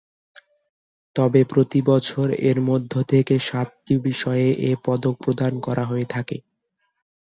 তবে প্রতিবছর এর মধ্য থেকে সাতটি বিষয়ে এ পদক প্রদান করা হয়ে থাকে।